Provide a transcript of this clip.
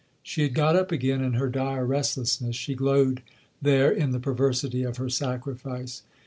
She had got up again in her dire restlessness; she glowed there in the perversity of her sacrifice.